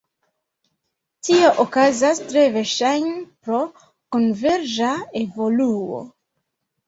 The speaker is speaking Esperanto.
Tio okazas tre verŝajne pro konverĝa evoluo.